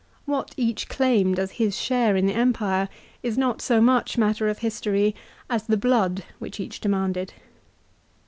What each claimed as his share in the Empire is not so much matter of history, as the blood which each demanded.